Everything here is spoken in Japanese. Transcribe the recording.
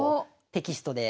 テキストに。